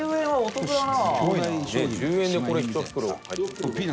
トシ：１０円で、これ１袋。